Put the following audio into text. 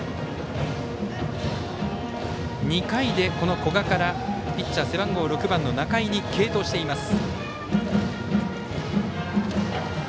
２回で古賀からピッチャー背番号６番の仲井に継投しています。